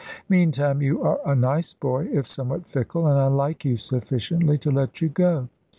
Meantime, you are a nice boy, if somewhat fickle, and I like you sufficiently to let you go.